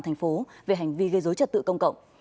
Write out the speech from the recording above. thành phố về hành vi gây dối trật tự công cộng